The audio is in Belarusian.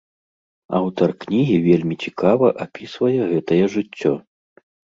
Аўтар кнігі вельмі цікава апісвае гэтае жыццё.